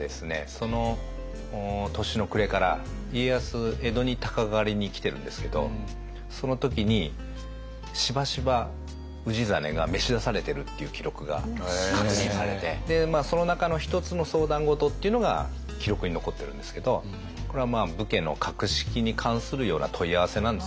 その年の暮れから家康江戸に鷹狩りに来てるんですけどその時にしばしば氏真が召し出されてるっていう記録が確認されてその中の一つの相談事っていうのが記録に残ってるんですけどこれは武家の格式に関するような問い合わせなんですよね。